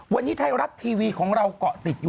วันนี้ไทยรัฐทีวีของเราเกาะติดอยู่